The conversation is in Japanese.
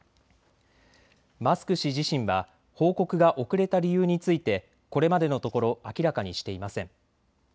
マスク氏自身は報告が遅れた理由についてこれまでのところ明らかにしていません。